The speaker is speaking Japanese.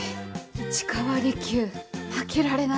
市川利休負けられない。